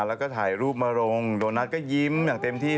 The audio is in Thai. แล้วก็ถ่ายรูปมาลงโดนัทก็ยิ้มอย่างเต็มที่